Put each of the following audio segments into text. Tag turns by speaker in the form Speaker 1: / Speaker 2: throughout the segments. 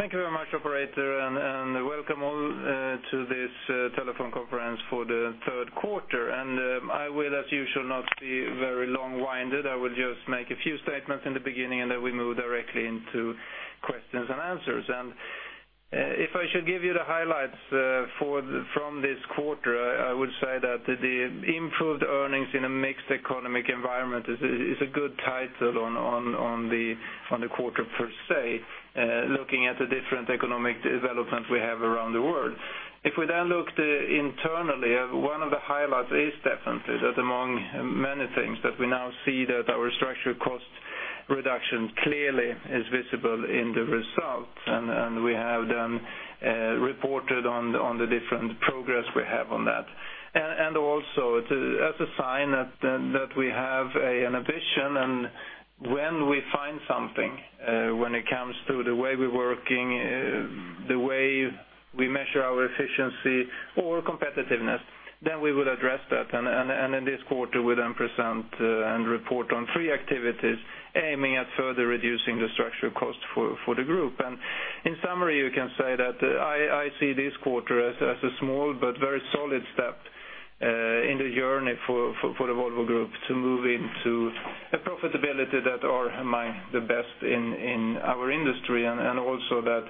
Speaker 1: Thank you very much operator, and welcome all to this telephone conference for the third quarter. I will, as usual, not be very long-winded. I will just make a few statements in the beginning, and then we move directly into questions and answers. If I should give you the highlights from this quarter, I would say that the improved earnings in a mixed economic environment is a good title on the quarter per se, looking at the different economic developments we have around the world. If we then look internally, one of the highlights is definitely that among many things, that we now see that our structural cost reduction clearly is visible in the results, and we have then reported on the different progress we have on that. Also as a sign that we have an ambition and when we find something, when it comes to the way we're working, the way we measure our efficiency or competitiveness, then we would address that, and in this quarter we then present and report on three activities aiming at further reducing the structural cost for the group. In summary, you can say that I see this quarter as a small but very solid step in the journey for the Volvo Group to move into a profitability that are among the best in our industry, and also that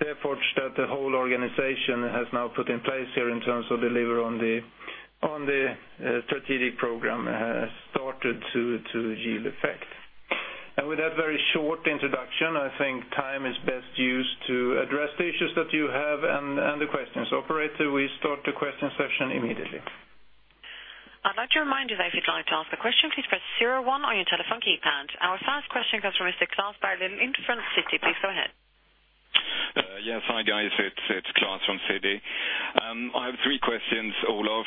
Speaker 1: the efforts that the whole organization has now put in place here in terms of deliver on the strategic program has started to yield effect. With that very short introduction, I think time is best used to address the issues that you have and the questions. Operator, we start the question session immediately.
Speaker 2: I'd like to remind you that if you'd like to ask a question, please press zero one on your telephone keypad. Our first question comes from Klas Bergelind from Citi. Please go ahead.
Speaker 3: Yes. Hi guys. It's Klas from Citi. I have three questions, all of.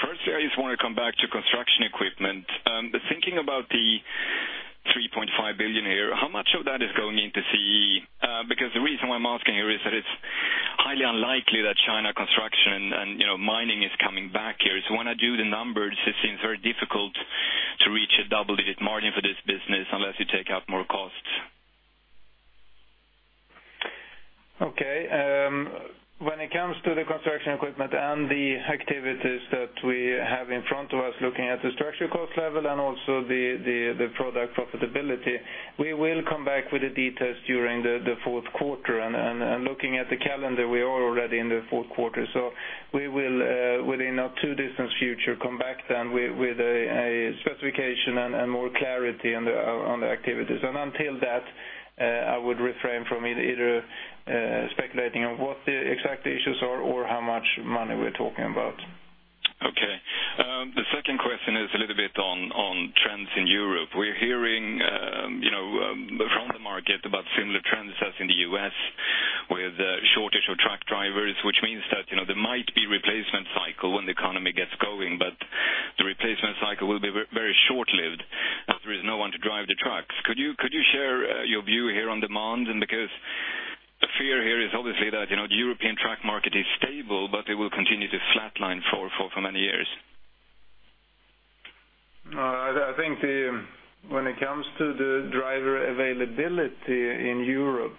Speaker 3: First I just want to come back to construction equipment. Thinking about the 3.5 billion here, how much of that is going into CEE? Because the reason why I'm asking here is that it's highly unlikely that China construction and mining is coming back here. When I do the numbers, it seems very difficult to reach a double-digit margin for this business unless you take out more costs.
Speaker 1: Okay. When it comes to the construction equipment and the activities that we have in front of us, looking at the structural cost level and also the product profitability, we will come back with the details during the fourth quarter. Looking at the calendar, we are already in the fourth quarter. We will within a two distance future come back then with a specification and more clarity on the activities. Until that, I would refrain from either speculating on what the exact issues are or how much money we're talking about.
Speaker 3: Okay. The second question is a little bit on trends in Europe. We're hearing from the market about similar trends as in the U.S. with shortage of truck drivers, which means that there might be replacement cycle when the economy gets going, but the replacement cycle will be very short-lived as there is no one to drive the trucks. Could you share your view here on demand? Because the fear here is obviously that the European truck market is stable, but it will continue to flat line for many years.
Speaker 1: I think when it comes to the driver availability in Europe,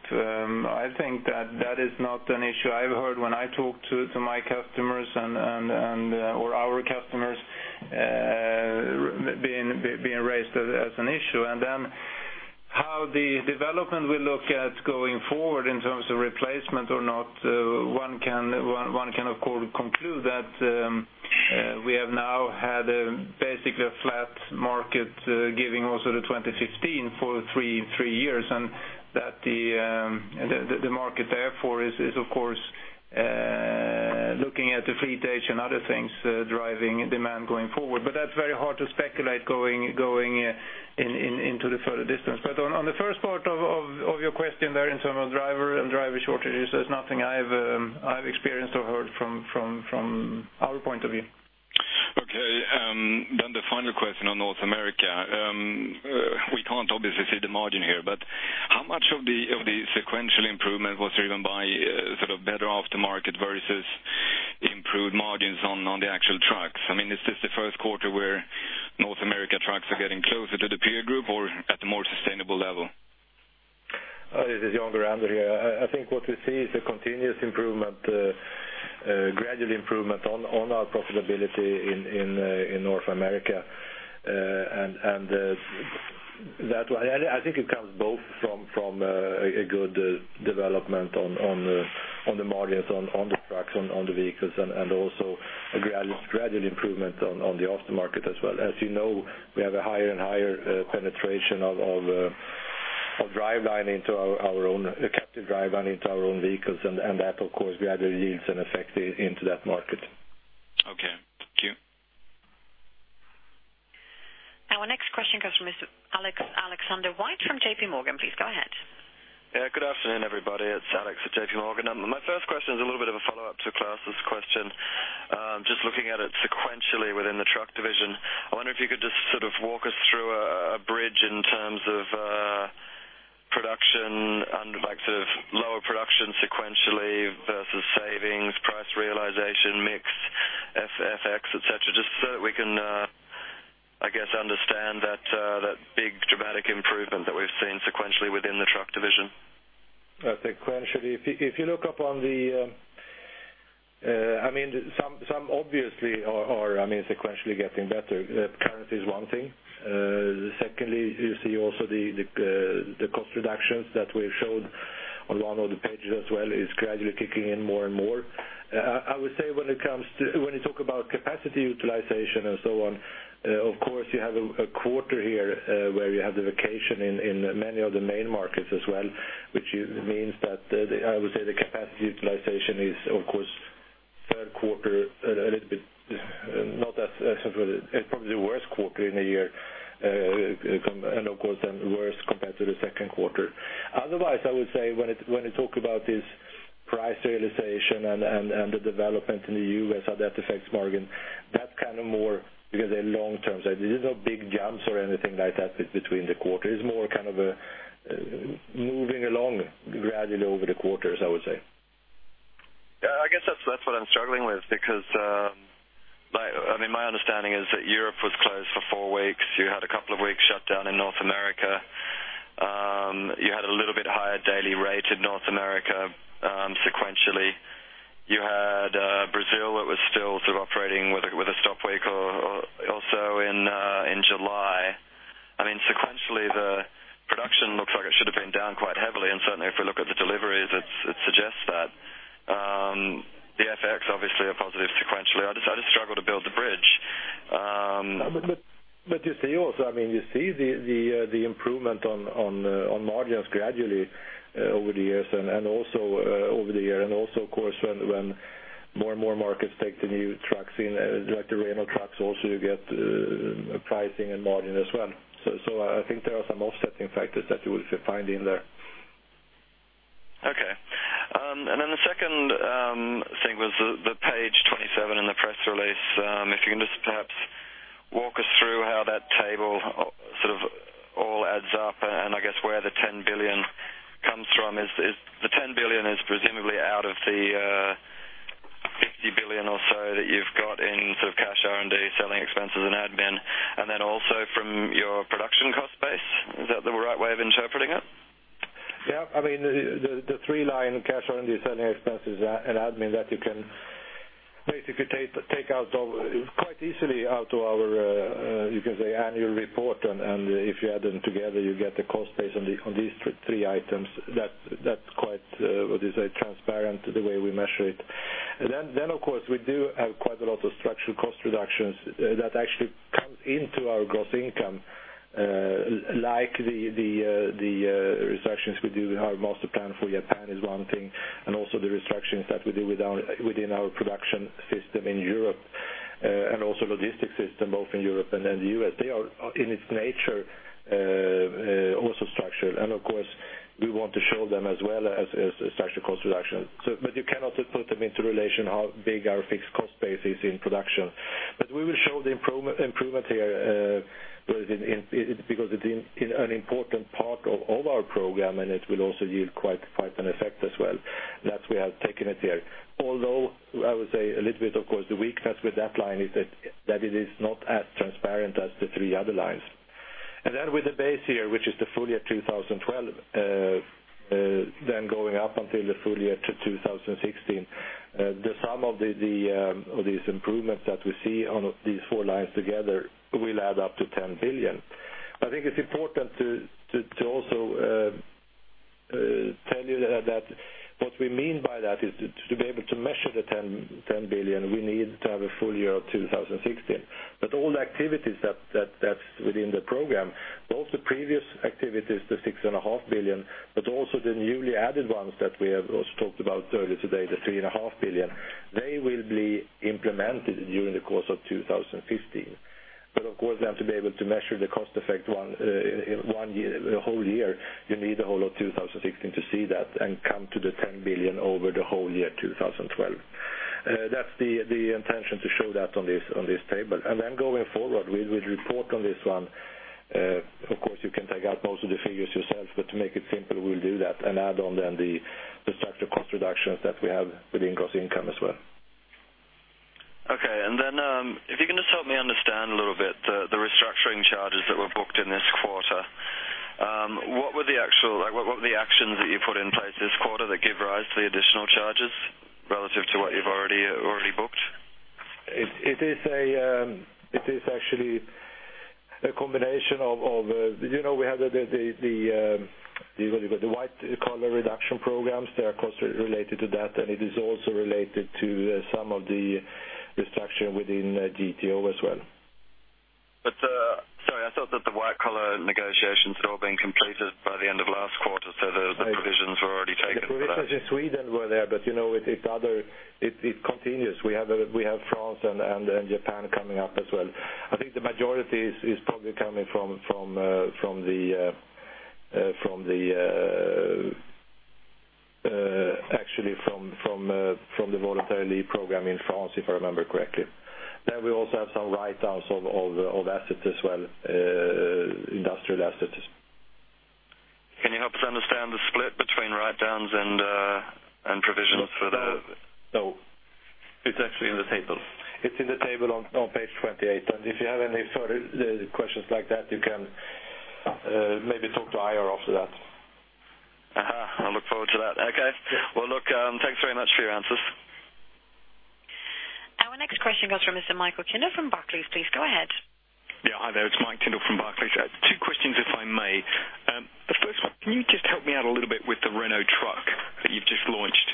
Speaker 1: I think that that is not an issue I've heard when I talk to my customers or our customers being raised as an issue. How the development will look at going forward in terms of replacement or not, one can of course conclude that we have now had basically a flat market giving also the 2015 for three years, that the market therefore is of course looking at the fleet age and other things driving demand going forward. That's very hard to speculate going into the further distance. On the first part of your question there in term of driver and driver shortages, there's nothing I've experienced or heard from our point of view.
Speaker 3: Okay. The final question on North America. We can't obviously see the margin here, but how much of the sequential improvement was driven by sort of better aftermarket versus improved margins on the actual trucks? I mean, is this the first quarter where North America trucks are getting closer to the peer group or at a more sustainable level?
Speaker 4: This is Jan Gurander here. I think what we see is a continuous improvement, gradual improvement on our profitability in North America. I think it comes both from a good development on the margins on the trucks, on the vehicles, and also a gradual improvement on the aftermarket as well. As you know, we have a higher and higher penetration of driveline into our own captive driveline, into our own vehicles, and that of course further yields an effect into that market.
Speaker 3: Okay. Thank you.
Speaker 2: Our next question comes from Mr. Alexander Whight from JPMorgan. Please go ahead.
Speaker 5: Yeah, good afternoon, everybody. It's Alex at JPMorgan. My first question is a little bit of a follow-up to Klas' question. Just looking at it sequentially within the truck division, I wonder if you could just sort of walk us through a bridge in terms of production and like sort of lower FX, et cetera, just so that we can, I guess, understand that big dramatic improvement that we've seen sequentially within the truck division.
Speaker 4: Sequentially. If you look up on some obviously are sequentially getting better. Currency is one thing. Secondly, you see also the cost reductions that we've showed on one of the pages as well is gradually kicking in more and more. I would say when you talk about capacity utilization and so on, of course, you have a quarter here, where you have the vacation in many of the main markets as well, which means that the capacity utilization is of course third quarter a little bit, probably the worst quarter in a year. Of course, then worse compared to the second quarter. Otherwise, I would say when you talk about this price realization and the development in the U.S., how that affects margin, that's more because they're long-term. These are big jumps or anything like that between the quarters. It's more kind of a moving along gradually over the quarters, I would say.
Speaker 5: Yeah. I guess that's what I'm struggling with because my understanding is that Europe was closed for four weeks. You had a couple of weeks shut down in North America. You had a little bit higher daily rate in North America, sequentially. You had Brazil that was still sort of operating with a stop week or also in July. Sequentially, the production looks like it should've been down quite heavily, certainly if we look at the deliveries, it suggests that. The FX obviously a positive sequentially. I just struggle to build the bridge.
Speaker 4: You see also the improvement on margins gradually over the years and also over the year. Also, of course, when more and more markets take the new trucks in, like the Renault Trucks also you get pricing and margin as well. I think there are some offsetting factors that you will find in there.
Speaker 5: Okay. Then the second thing was the page 27 in the press release. If you can just perhaps walk us through how that table sort of all adds up and I guess where the 10 billion comes from. The 10 billion is presumably out of the 50 billion or so that you've got in sort of cash R&D, selling expenses, and admin, then also from your production cost base. Is that the right way of interpreting it?
Speaker 4: Yeah. The three line cash R&D, selling expenses, and admin that you can basically take out quite easily out to our annual report. If you add them together, you get the cost base on these three items. That's quite transparent the way we measure it. Of course, we do have quite a lot of structural cost reductions that actually comes into our gross income, like the restructures we do. Our master plan for Japan is one thing, also the restructures that we do within our production system in Europe. Also logistic system, both in Europe and then the U.S. They are in its nature, also structured. Of course, we want to show them as well as structural cost reduction. You cannot put them into relation how big our fixed cost base is in production. We will show the improvement here because it is an important part of our program, and it will also yield quite an effect as well that we have taken it here. Although, I would say a little bit, of course, the weakness with that line is that it is not as transparent as the three other lines. Then with the base here, which is the full year 2012, then going up until the full year 2016, the sum of these improvements that we see on these four lines together will add up to 10 billion. I think it's important to also tell you that what we mean by that is to be able to measure the 10 billion, we need to have a full year of 2016. All the activities that's within the program, both the previous activities, the six and a half billion, but also the newly added ones that we have also talked about earlier today, the three and a half billion, they will be implemented during the course of 2015. Of course, they have to be able to measure the cost effect the whole year. You need the whole of 2016 to see that and come to the 10 billion over the whole year 2012. That's the intention to show that on this table. Then going forward, we'll report on this one. Of course, you can take out most of the figures yourself, but to make it simple, we'll do that and add on then the structural cost reductions that we have within gross income as well.
Speaker 5: Okay. Then, if you can just help me understand a little bit, the restructuring charges that were booked in this quarter, what were the actions that you put in place this quarter that give rise to the additional charges relative to what you've already booked?
Speaker 4: It is actually a combination of the white collar reduction programs that are closely related to that, and it is also related to some of the restructuring within GTO as well.
Speaker 5: Sorry, I thought that the white collar negotiations had all been completed by the end of last quarter, so the provisions were already taken for that.
Speaker 4: The provisions in Sweden were there, it continues. We have France and Japan coming up as well. I think the majority is probably actually from the voluntary program in France, if I remember correctly. Then we also have some write-downs of assets as well, industrial assets.
Speaker 5: Can you help us understand the split between write-downs and provisions?
Speaker 4: No. It's actually in the table.
Speaker 1: It's in the table on page 28, if you have any further questions like that, you can maybe talk to IR after that.
Speaker 5: I look forward to that. Okay.
Speaker 1: Yeah.
Speaker 5: Well, look, thanks very much for your answers.
Speaker 2: Our next question comes from Mr. Michael Tyndall from Barclays. Please go ahead.
Speaker 6: Hi there. It's Mike Tyndall from Barclays. Two questions, if I may. The first one, can you just help me out a little bit with the Renault truck that you've just launched?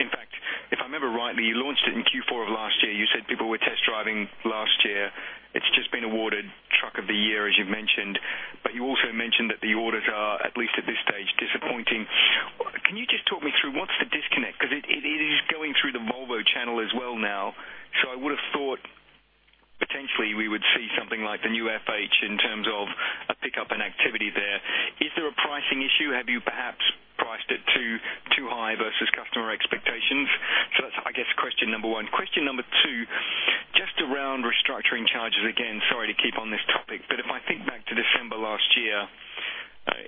Speaker 6: In fact, if I remember rightly, you launched it in Q4 of last year. You said people were test driving last year. It's just been awarded Truck of the Year, as you've mentioned, but you also mentioned that the orders are, at least at this stage, disappointing. Can you just talk me through what's the disconnect? Because it is going through the Volvo channel as well now, I would've thought potentially we would see something like the new FH in terms of a pickup in activity there. Is there a pricing issue? Have you perhaps priced it too high versus customer expectations? That's, I guess, question number one. Question number two, just around restructuring charges. Sorry to keep on this topic, if I think back to December last year,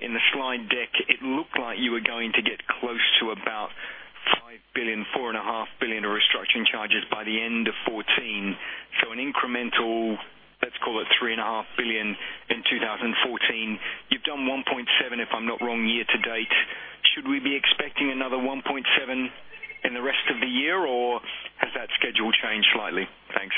Speaker 6: in the slide deck, it looked like you were going to get close to about 5 billion, 4.5 billion of restructuring charges by the end of 2014. An incremental, let's call it 3.5 billion in 2014. You've done 1.7, if I'm not wrong, year-to-date. Should we be expecting another 1.7 in the rest of the year, or has that schedule changed slightly? Thanks.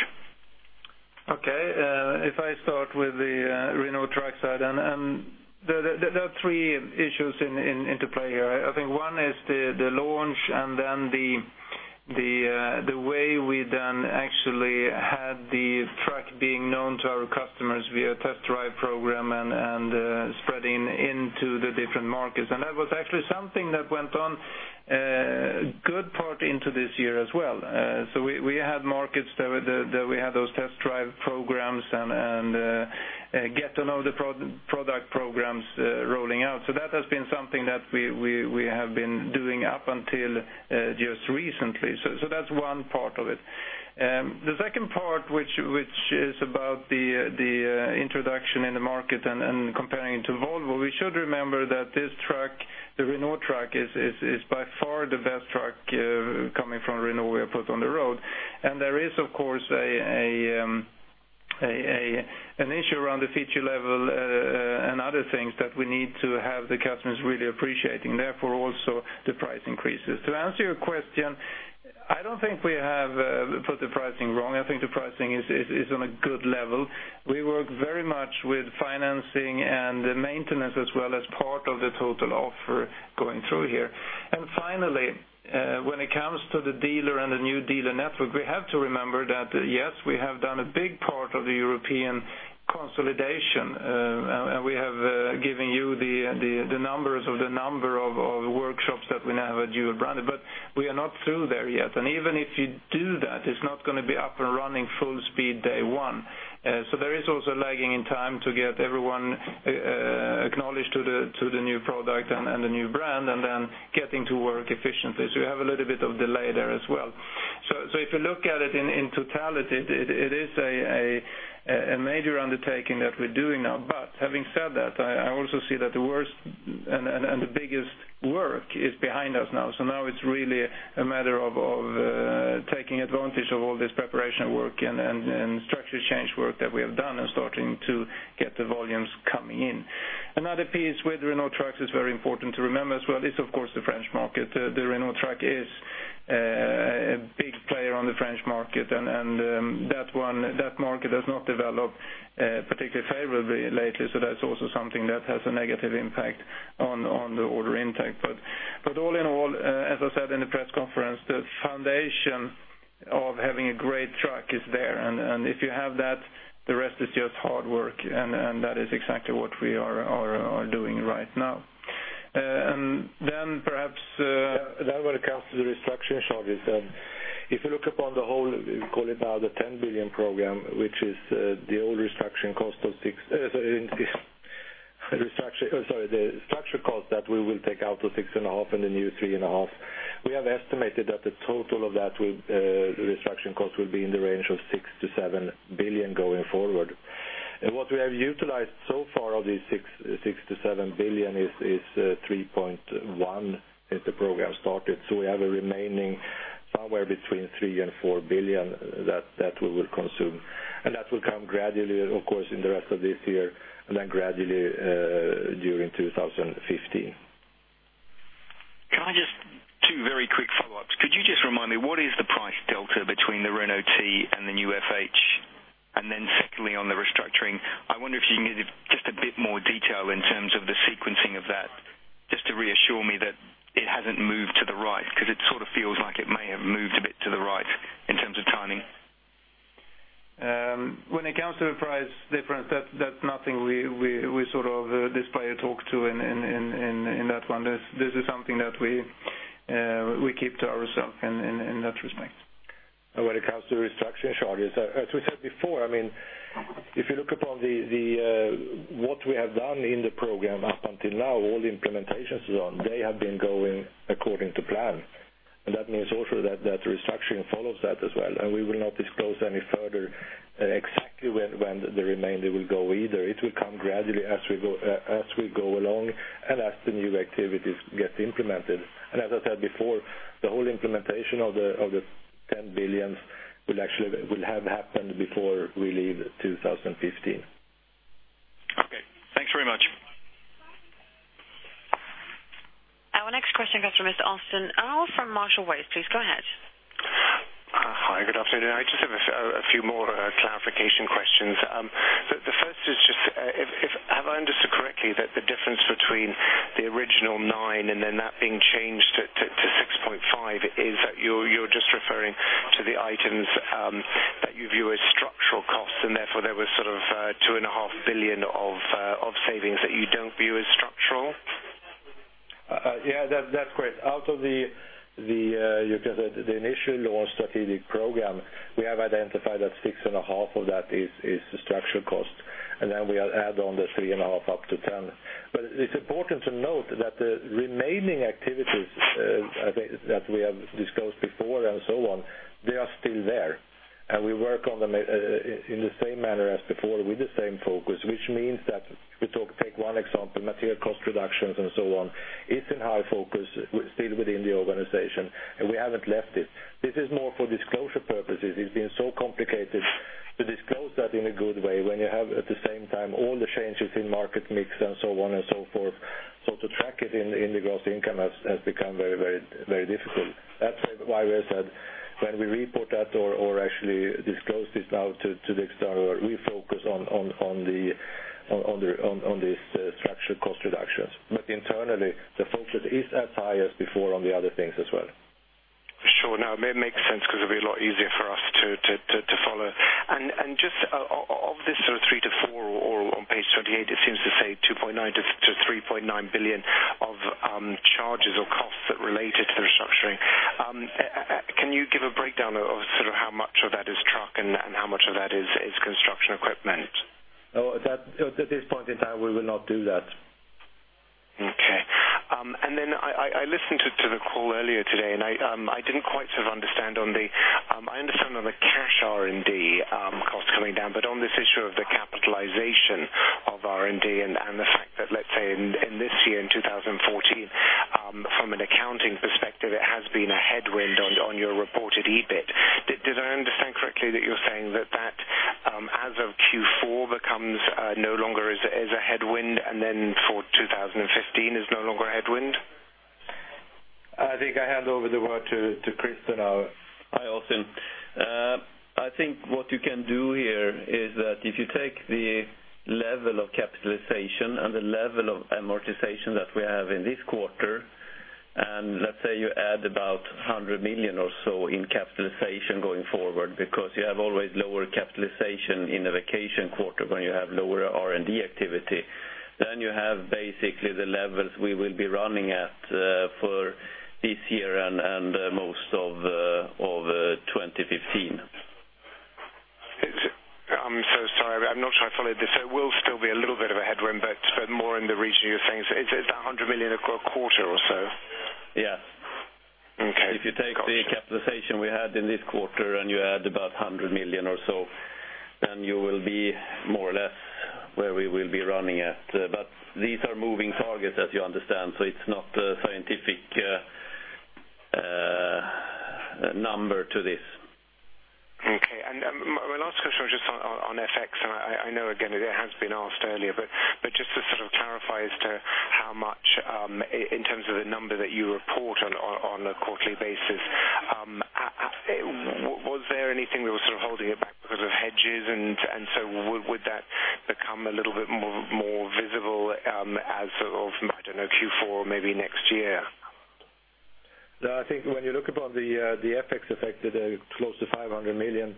Speaker 1: Okay. If I start with the Renault Trucks side, there are three issues into play here. I think one is the launch then the way we then actually had the truck being known to our customers via test drive program and spreading into the different markets. That was actually something that went on good part into this year as well. We had markets that we had those test drive programs and get to know the product programs rolling out. That has been something that we have been doing up until just recently. That's one part of it. The second part, which is about the introduction in the market and comparing to Volvo, we should remember that this truck, the Renault Trucks, is by far the best truck coming from Renault Trucks we have put on the road. There is, of course, an issue around the feature level, and other things that we need to have the customers really appreciating, therefore, also the price increases. To answer your question, I don't think we have put the pricing wrong. I think the pricing is on a good level. We work very much with financing and maintenance as well as part of the total offer going through here. Finally, when it comes to the dealer and the new dealer network, we have to remember that, yes, we have done a big part of the European consolidation, and we have given you the numbers of the number of workshops that we now have dual branded, but we are not through there yet. Even if you do that, it's not going to be up and running full speed day one. There is also lagging in time to get everyone acknowledged to the new product and the new brand, and then getting to work efficiently. We have a little bit of delay there as well. If you look at it in totality, it is a major undertaking that we're doing now. Having said that, I also see that the worst and the biggest work is behind us now. Now it's really a matter of taking advantage of all this preparation work and structure change work that we have done and starting to get the volumes coming in. Another piece with Renault Trucks that's very important to remember as well is, of course, the French market. The Renault Trucks is a big player on the French market, and that market has not developed particularly favorably lately. That's also something that has a negative impact on the order intake. All in all, as I said in the press conference, the foundation of having a great truck is there, and if you have that, the rest is just hard work, and that is exactly what we are doing right now. When it comes to the restructuring charges, if you look upon the whole, call it now the 10 billion program, which is the old restructuring cost of sorry, the restructuring cost that we will take out the 6.5 billion and the new 3.5 billion. We have estimated that the total of that restructuring cost will be in the range of 6 billion-7 billion going forward. What we have utilized so far of these 6 billion-7 billion is 3.1 billion since the program started. We have a remaining somewhere between 3 billion and 4 billion that we will consume. That will come gradually, of course, in the rest of this year and then gradually during 2015.
Speaker 6: Can I just ask two very quick follow-ups? Could you just remind me, what is the price delta between the Renault T and the new FH? Secondly, on the restructuring, I wonder if you can give just a bit more detail in terms of the sequencing of that, just to reassure me that it hasn't moved to the right, because it sort of feels like it may have moved a bit to the right in terms of timing.
Speaker 1: When it comes to the price difference, that's nothing we display or talk to in that one. This is something that we keep to ourself in that respect.
Speaker 4: When it comes to restructuring charges, as we said before, if you look upon what we have done in the program up until now, all the implementations we've done, they have been going according to plan. That means also that restructuring follows that as well, and we will not disclose any further exactly when the remainder will go either. It will come gradually as we go along and as the new activities get implemented. As I said before, the whole implementation of the 10 billion will have happened before we leave 2015.
Speaker 6: Okay. Thanks very much.
Speaker 2: Our next question comes from Hampus Engellau from Marshall Wace. Please go ahead.
Speaker 7: Hi, good afternoon. I just have a few more clarification questions. The first is just, have I understood correctly that the difference between the original nine and then that being changed to six point five is that you're just referring to the items that you view as structural costs and therefore there was sort of 2.5 billion of savings that you don't view as structural?
Speaker 4: Yeah. That's correct. Out of the initial strategic program, we have identified that six and a half of that is structural cost. We add on the three and a half up to 10. It's important to note that the remaining activities that we have discussed before and so on, they are still there, and we work on them in the same manner as before with the same focus, which means that we take one example, material cost reductions and so on, it's in high focus still within the organization, and we haven't left it. This is more for disclosure purposes. It's been so complicated to disclose that in a good way when you have, at the same time, all the changes in market mix and so on and so forth. To track it in the gross income has become very difficult. That's why we said when we report that or actually disclose this now to the external, we focus on the structural cost reductions. Internally, the focus is as high as before on the other things as well.
Speaker 7: Sure. Now it makes sense because it'll be a lot easier for us to follow. Just of this sort of three to four or on page 28, it seems to say 2.9 billion-3.9 billion of charges or costs that related to the restructuring. Can you give a breakdown of how much of that is truck and how much of that is Volvo Construction Equipment?
Speaker 4: No, at this point in time, we will not do that.
Speaker 7: Okay. I listened to the call earlier today, and I didn't quite sort of understand. I understand on the cash R&D costs coming down, but on this issue of the capitalization of R&D and the fact that, let's say, in this year, in 2014, from an accounting perspective, it has been a headwind on your reported EBIT. Did I understand correctly that you're saying that as of Q4 becomes no longer is a headwind and then for 2015 is no longer a headwind?
Speaker 4: I think I hand over the word to Christer now.
Speaker 1: Hi, Hampus. I think what you can do here is that if you take the level of capitalization and the level of amortization that we have in this quarter, and let's say you add about 100 million or so in capitalization going forward, because you have always lower capitalization in a vacation quarter when you have lower R&D activity, then you have basically the levels we will be running at for this year and most of 2015.
Speaker 7: I'm so sorry. I'm not sure I followed this. There will still be a little bit of a headwind, but more in the region you're saying. Is that 100 million a quarter or so?
Speaker 1: Yes.
Speaker 7: Okay. Got you.
Speaker 1: If you take the capitalization we had in this quarter and you add about 100 million or so, you will be more or less where we will be running at. These are moving targets, as you understand, so it's not a scientific number to this.
Speaker 7: Okay. My last question was just on FX, I know, again, it has been asked earlier, but just to sort of clarify as to how much in terms of the number that you report on a quarterly basis. Was there anything that was sort of holding it back because of hedges, would that become a little bit more visible as of, I don't know, Q4 maybe next year?
Speaker 4: No, I think when you look upon the FX effect, the close to 500 million,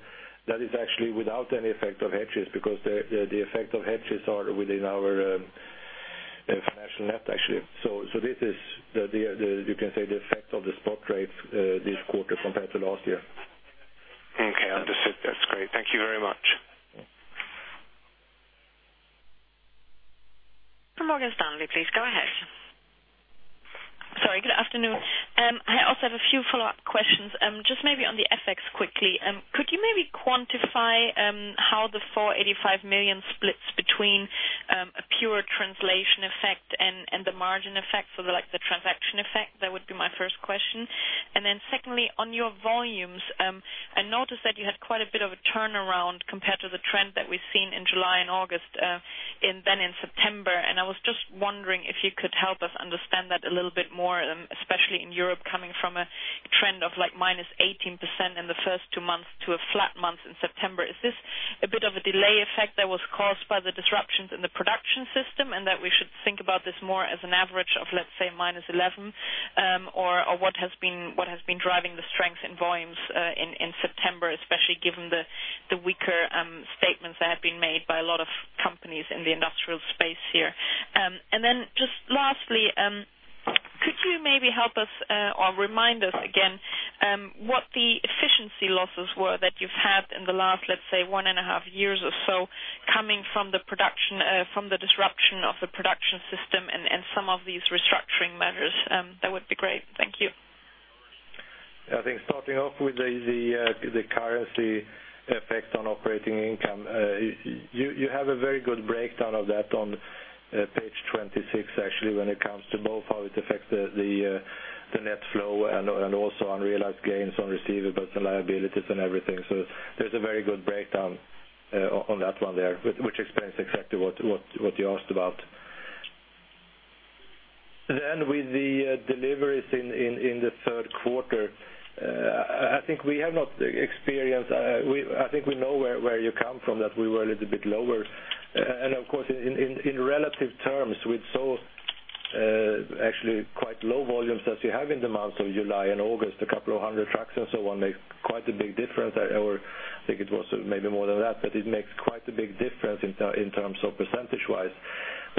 Speaker 4: that is actually without any effect of hedges, because the effect of hedges are within our financial net, actually. This is you can say the effect of the spot rate this quarter compared to last year.
Speaker 7: Okay. Understood. That's great. Thank you very much.
Speaker 2: From Morgan Stanley, please go ahead.
Speaker 8: Sorry, good afternoon. I also have a few follow-up questions. Just maybe on the FX quickly. Could you maybe quantify how the 485 million splits between a pure translation effect and the margin effect, so like the transaction effect? That would be my first question. Secondly, on your volumes, I noticed that you had quite a bit of a turnaround compared to the trend that we've seen in July and August than in September. I was just wondering if you could help us understand that a little bit more, especially in Europe, coming from a trend of like minus 18% in the first two months to a flat month in September. Is this a bit of a delay effect that was caused by the disruptions in the production system and that we should think about this more as an average of, let's say, minus 11%? What has been driving the strength in volumes in September, especially given the weaker statements that have been made by a lot of companies in the industrial space here. Just lastly, could you maybe help us or remind us again what the efficiency losses were that you've had in the last, let's say one and a half years or so, coming from the disruption of the production system and some of these restructuring matters. That would be great. Thank you.
Speaker 4: I think starting off with the currency effect on operating income, you have a very good breakdown of that on page 26, actually, when it comes to both how it affects the net flow and also unrealized gains on receivables and liabilities and everything. There's a very good breakdown on that one there, which explains exactly what you asked about. With the deliveries in the third quarter, I think we have not I think we know where you come from, that we were a little bit lower. Of course, in relative terms, we saw actually quite low volumes as you have in the months of July and August, a couple of hundred trucks or so only, makes quite a big difference. I think it was maybe more than that, it makes quite a big difference in terms of percentage-wise.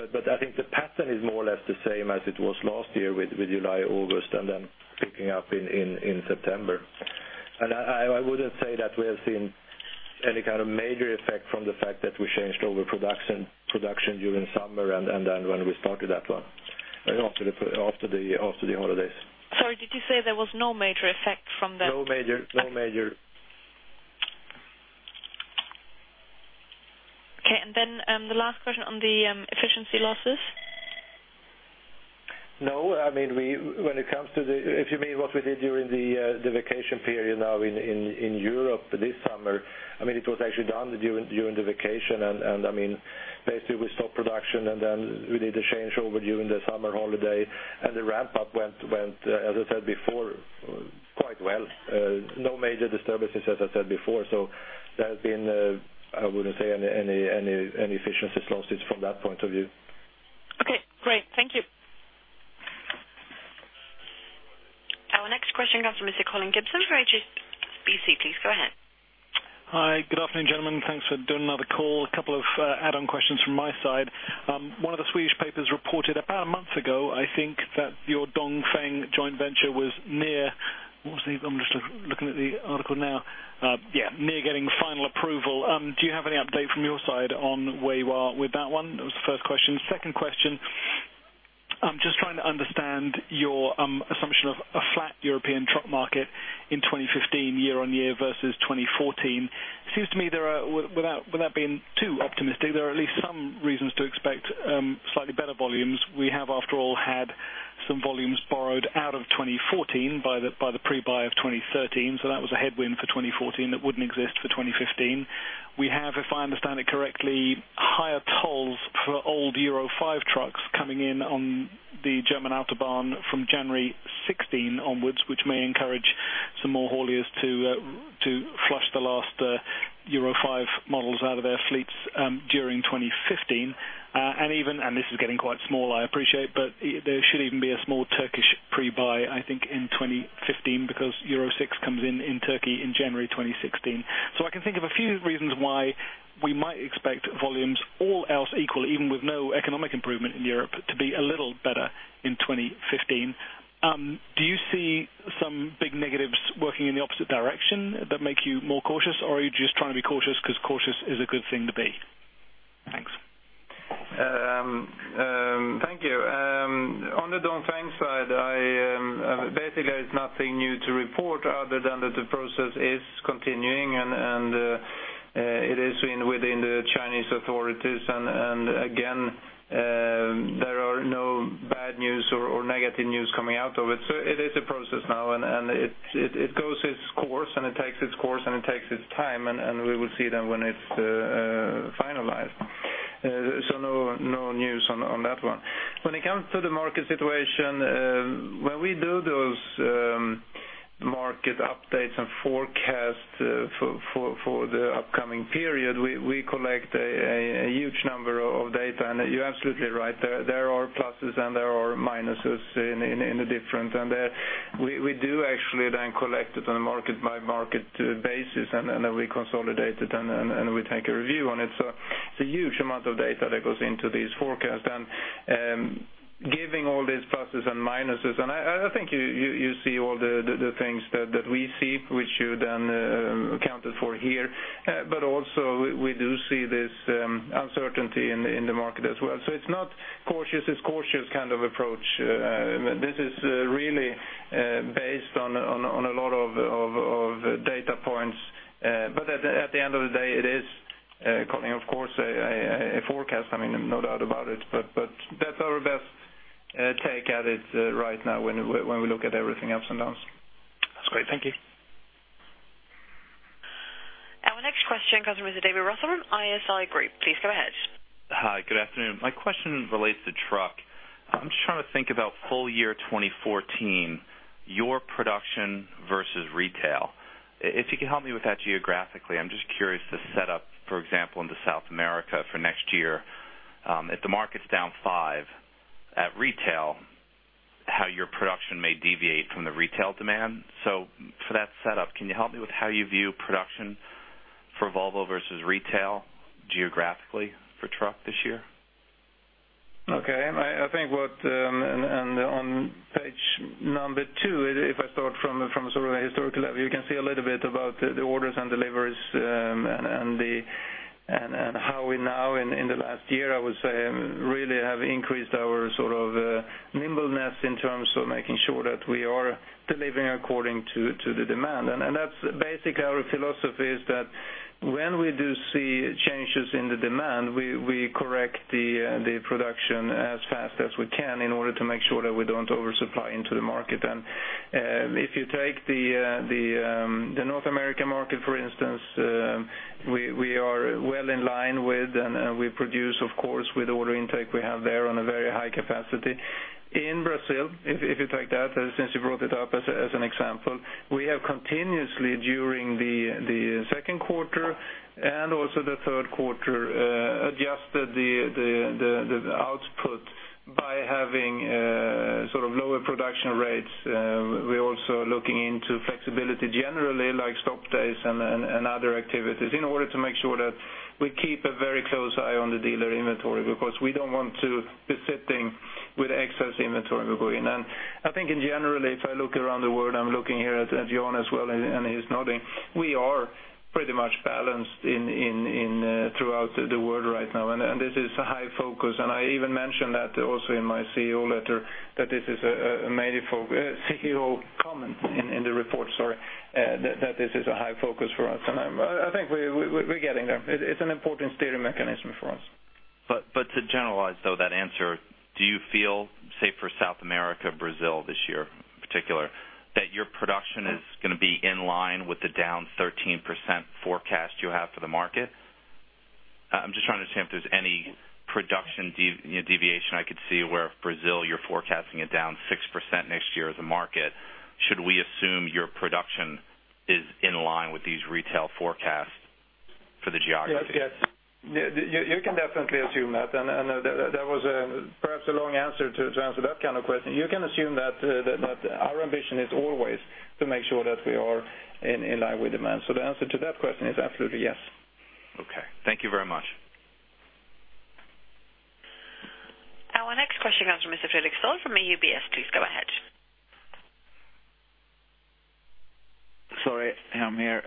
Speaker 4: I think the pattern is more or less the same as it was last year with July, August, and then picking up in September. I wouldn't say that we have seen any kind of major effect from the fact that we changed over production during summer and then when we started that one, after the holidays.
Speaker 8: Sorry, did you say there was no major effect from that?
Speaker 4: No major.
Speaker 8: Okay. Then the last question on the efficiency losses.
Speaker 4: No, if you mean what we did during the vacation period now in Europe this summer, it was actually done during the vacation. Basically, we stopped production, then we did a changeover during the summer holiday, the ramp-up went, as I said before, quite well. No major disturbances, as I said before. There has been, I wouldn't say any efficiency losses from that point of view.
Speaker 8: Okay, great. Thank you.
Speaker 2: Our next question comes from Mr. Colin Gibson for HSBC. Please go ahead.
Speaker 9: Hi. Good afternoon, gentlemen. Thanks for doing another call. A couple of add-on questions from my side. One of the Swedish papers reported about a month ago, I think, that your Dongfeng joint venture was near, I'm just looking at the article now. Yeah, near getting final approval. Do you have any update from your side on where you are with that one? That was the first question. Second question, I'm just trying to understand your assumption of a flat European truck market in 2015 year-over-year versus 2014. It seems to me, without being too optimistic, there are at least some reasons to expect slightly better volumes. We have, after all, had some volumes borrowed out of 2014 by the pre-buy of 2013, so that was a headwind for 2014 that wouldn't exist for 2015. We have, if I understand it correctly, higher tolls for old Euro 5 trucks coming in on the German autobahn from January 16 onwards, which may encourage some more hauliers to flush the last Euro 5 models out of their fleets during 2015. Even, and this is getting quite small, I appreciate, but there should even be a small Turkish pre-buy, I think, in 2015 because Euro 6 comes in in Turkey in January 2016. I can think of a few reasons why we might expect volumes, all else equal, even with no economic improvement in Europe, to be a little better in 2015. Do you see some big negatives working in the opposite direction that make you more cautious, or are you just trying to be cautious because cautious is a good thing to be? Thanks.
Speaker 4: Thank you. On the Dongfeng side, basically, there's nothing new to report other than that the process is continuing, and it is within the Chinese authorities. Again, there are no bad news or negative news coming out of it. It is a process now, and it goes its course, and it takes its course and it takes its time, and we will see then when it's finalized. No news on that one. When it comes to the market situation, when we do those market updates and forecasts for the upcoming period, we collect a huge number of data. You're absolutely right, there are pluses and there are minuses in the different. We do actually then collect it on a market-by-market basis, and then we consolidate it, and we take a review on it. It's a huge amount of data that goes into these forecasts. Giving all these pluses and minuses, and I think you see all the things that we see, which you then accounted for here. Also, we do see this uncertainty in the market as well. It's not cautious, it's cautious kind of approach. This is really based on a lot of data points. At the end of the day, it is, Colin, of course, a forecast, no doubt about it. That's our best take at it right now when we look at everything ups and downs.
Speaker 9: That's great. Thank you.
Speaker 2: Our next question comes from Mr. David Russell, ISI Group. Please go ahead.
Speaker 10: Hi, good afternoon. My question relates to truck. I'm just trying to think about full year 2014, your production versus retail. If you could help me with that geographically, I'm just curious the set up, for example, into South America for next year. If the market's down five at retail, how your production may deviate from the retail demand. For that set up, can you help me with how you view production for Volvo versus retail geographically for truck this year?
Speaker 1: Okay. On page number two, if I start from a historical level, you can see a little bit about the orders and deliveries, and how we now in the last year, I would say, really have increased our nimbleness in terms of making sure that we are delivering according to the demand. That's basically our philosophy is that when we do see changes in the demand, we correct the production as fast as we can in order to make sure that we don't oversupply into the market. If you take the North American market, for instance, we are well in line with, and we produce, of course, with order intake we have there on a very high capacity. In Brazil, if you take that, since you brought it up as an example, we have continuously during the second quarter and also the third quarter, adjusted the output by having lower production rates. We're also looking into flexibility generally like stop days and other activities in order to make sure that we keep a very close eye on the dealer inventory because we don't want to be sitting with excess inventory going in. I think in general, if I look around the world, I'm looking here at Jan as well, and he's nodding, we are pretty much balanced throughout the world right now. This is a high focus, I even mentioned that also in my CEO letter that this is a major CEO comment in the report, sorry, that this is a high focus for us. I think we're getting there. It's an important steering mechanism for us.
Speaker 10: To generalize, though, that answer, do you feel, say, for South America, Brazil this year in particular, that your production is going to be in line with the down 13% forecast you have for the market? I'm just trying to understand if there's any production deviation I could see where if Brazil, you're forecasting it down 6% next year as a market. Should we assume your production is in line with these retail forecasts for the geography?
Speaker 1: Yes. You can definitely assume that. That was perhaps a long answer to answer that kind of question. You can assume that our ambition is always to make sure that we are in line with demand. The answer to that question is absolutely yes.
Speaker 10: Okay. Thank you very much.
Speaker 2: Our next question comes from Mr. Fredrik Sten from UBS. Please go ahead.
Speaker 11: Sorry, I'm here.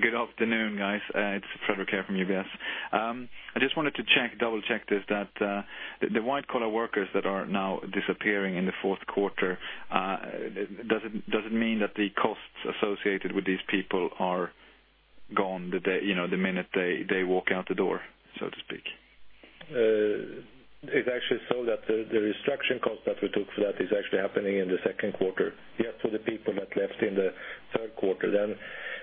Speaker 11: Good afternoon, guys. It's Fredrik here from UBS. I just wanted to double-check this, that the white-collar workers that are now disappearing in the fourth quarter, does it mean that the costs associated with these people are gone the minute they walk out the door, so to speak?
Speaker 1: It's actually so that the restructuring cost that we took for that is actually happening in the second quarter. The people that left in the third quarter,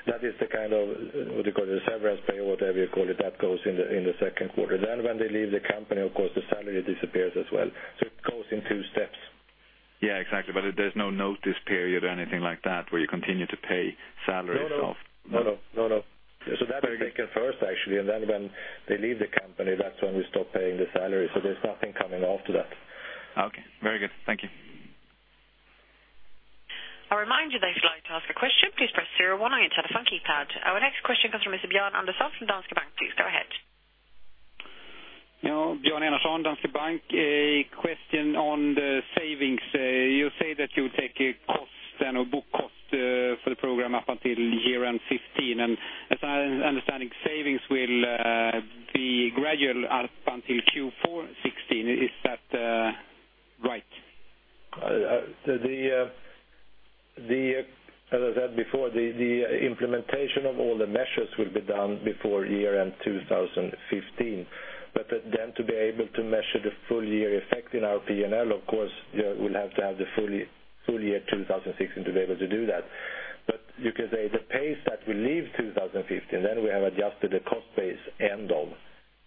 Speaker 1: that is the kind of, what do you call it, the severance pay or whatever you call it, that goes in the second quarter. When they leave the company, of course, the salary disappears as well. It goes in two steps.
Speaker 11: Yeah, exactly. There's no notice period or anything like that where you continue to pay salaries off.
Speaker 1: No. That is taken first, actually, and then when they leave the company, that's when we stop paying the salary. There's nothing coming after that.
Speaker 11: Okay. Very good. Thank you.
Speaker 2: I remind you that if you'd like to ask a question, please press zero on your telephone keypad. Our next question comes from Mr. Björn Andersson from Danske Bank. Please go ahead.
Speaker 12: Björn Andersson, Danske Bank. A question on the savings. You say that you take a book cost for the program up until year-end 2015. As I understand, savings will be gradual up until Q4 2016. Is that right?
Speaker 1: As I said before, the implementation of all the measures will be done before year-end 2015. To be able to measure the full year effect in our P&L, of course, we'll have to have the full year 2016 to be able to do that. You can say the pace that we leave 2015, then we have adjusted the cost base end of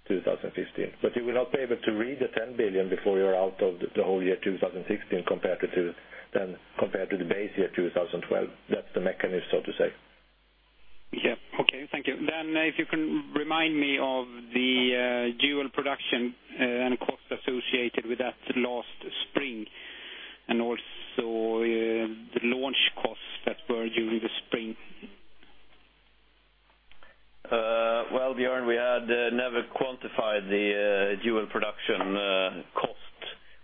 Speaker 1: 2015. You will not be able to read the 10 billion before you're out of the whole year 2016 compared to the base year 2012. That's the mechanism, so to say.
Speaker 12: Yeah. Okay. Thank you. If you can remind me of the dual production and cost associated with that last spring, and also the launch costs that were during the spring.
Speaker 1: Well, Björn, we had never quantified the dual production cost.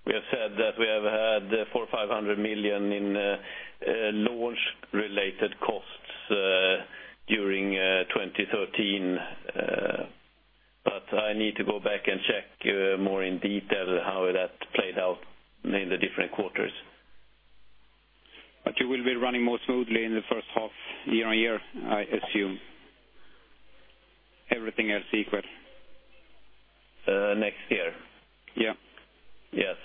Speaker 1: We have said that we have had 400 million or 500 million in launch-related costs during 2013. I need to go back and check more in detail how that played out in the different quarters.
Speaker 12: You will be running more smoothly in the first half year-on-year, I assume. Everything else equal.
Speaker 1: Next year?
Speaker 12: Yeah.
Speaker 1: Yes.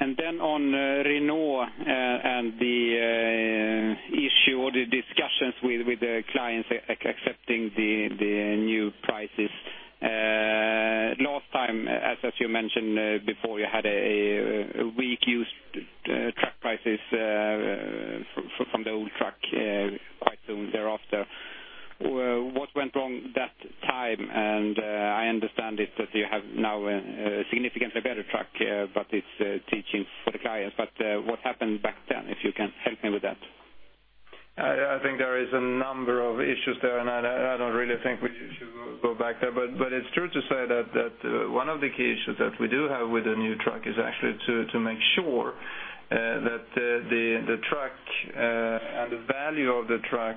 Speaker 12: Then on Renault and the issue or the discussions with the clients accepting the new prices. Last time, as you mentioned before, you had a weak used truck prices from the old truck quite soon thereafter. What went wrong that time? I understand it that you have now a significantly better truck, but it's teaching for the clients. What happened back then, if you can help me with that?
Speaker 1: I think there is a number of issues there, I don't really think we should go back there. It's true to say that one of the key issues that we do have with the new truck is actually to make sure that the truck and the value of the truck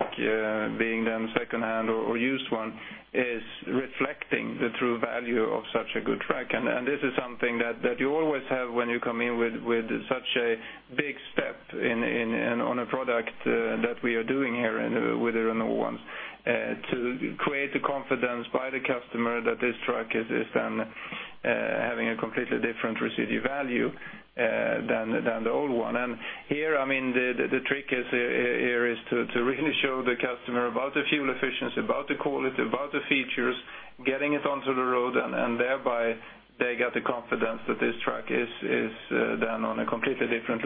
Speaker 1: being then secondhand or used one is reflecting the true value of such a good truck. This is something that you always have when you come in with such a big step on a product that we are doing here with the Renault ones, to create the confidence by the customer that this truck is then having a completely different residual value than the old one. Here, the trick is here is to really show the customer about the fuel efficiency, about the quality, about the features, getting it onto the road, and thereby they get the confidence that this truck is then on a completely different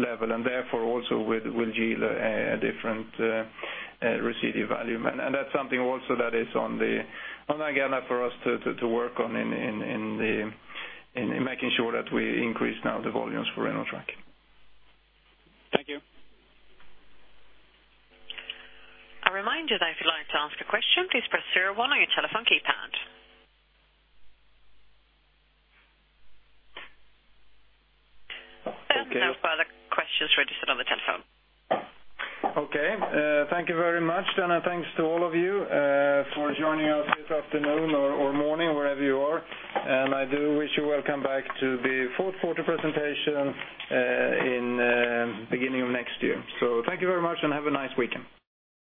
Speaker 1: level, and therefore also will yield a different residual value. That's something also that is on the agenda for us to work on in making sure that we increase now the volumes for Renault Trucks.
Speaker 12: Thank you.
Speaker 2: I remind you that if you'd like to ask a question, please press 0 on your telephone keypad.
Speaker 1: Okay.
Speaker 2: There are no further questions registered on the telephone.
Speaker 1: Okay. Thank you very much. Thanks to all of you for joining us this afternoon or morning, wherever you are. I do wish you welcome back to the fourth quarter presentation in beginning of next year. Thank you very much, and have a nice weekend.